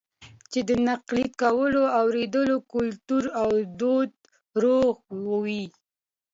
چې د تنقيد کولو او اورېدلو کلتور او دود روغ وي